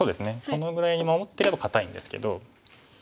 このぐらいに守ってれば堅いんですけど。